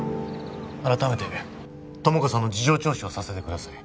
改めて友果さんの事情聴取をさせてください